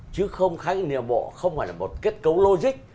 chứ không khái niệm bộ không phải là một kết cấu logic